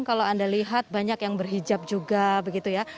kalau anda lihat banyak yang berhijab juga begitu ya